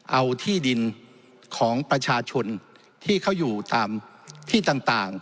เอาที่ดินของประชาชนที่เขาอยู่ตามที่ต่าง